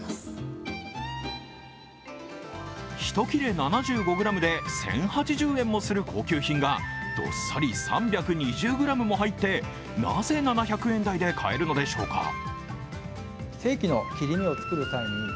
１切れ７５ｇで１０８０円もする高級品がどっさり３２０ｇも入ってなぜ７００円台で買えるのでしょうか